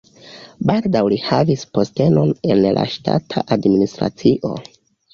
Baldaŭ li havis postenon en la ŝtata administracio.